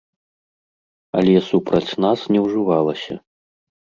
Але супраць нас не ўжывалася.